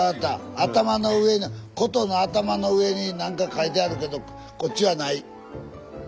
頭の上の琴の頭の上になんか描いてあるけどこっちはない。